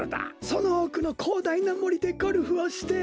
そのおくのこうだいなもりでゴルフをして。